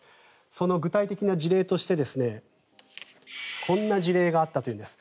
その具体的な事例としてこんな事例があったというんです。